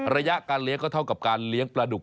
ระยะการเลี้ยงก็เท่ากับการเลี้ยงปลาดุก